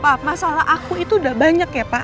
pak masalah aku itu udah banyak ya pak